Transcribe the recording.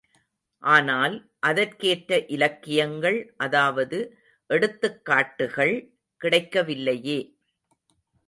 ஆனால், அதற்கேற்ற இலக்கியங்கள் அதாவது எடுத்துக்காட்டுகள் கிடைக்கவில்லையே.